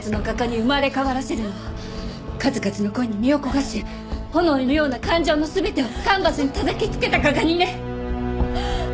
数々の恋に身を焦がし炎のような感情の全てをカンバスにたたきつけた画家にね。